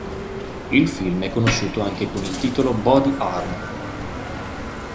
Il film è conosciuto anche con il titolo Body Armor.